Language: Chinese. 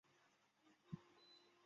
本片改编自真实故事。